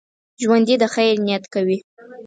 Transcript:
ژوندي د خیر نیت کوي